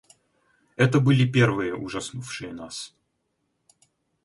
Это были первые, ужаснувшие нас.